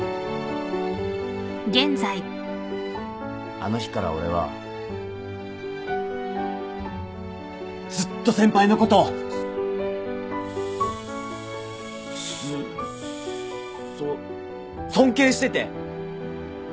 あの日から俺はずっと先輩のことすっそっ尊敬してて。